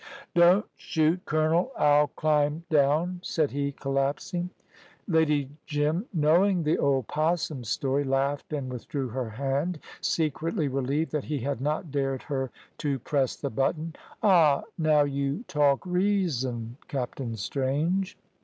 "Don't shoot, colonel, I'll climb down," said he, collapsing. Lady Jim, knowing the old 'possum story, laughed and withdrew her hand, secretly relieved that he had not dared her to press the button. "Ah, now you talk reason, Captain Strange."